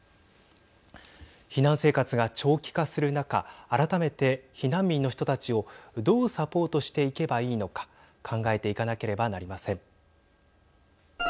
避難生活が長期化する中改めて避難民の人たちをどうサポートしていけばいいのか考えていかなければなりません。